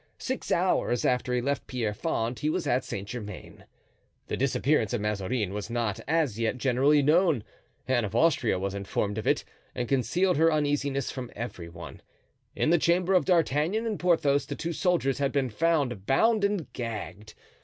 Six hours after he left Pierrefonds he was at Saint Germain. The disappearance of Mazarin was not as yet generally known. Anne of Austria was informed of it and concealed her uneasiness from every one. In the chamber of D'Artagnan and Porthos the two soldiers had been found bound and gagged.